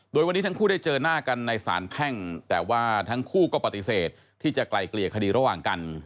โดยวันนี้ทั้งคู่ได้เจอหน้ากันในสารแพ่งแต่ว่าทั้งคู่ก็ปฏิเสธที่จะไกลเกลี่ยคดีระหว่างกัน